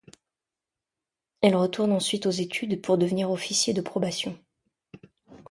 Elle retourne ensuite aux études pour devenir officier de probation.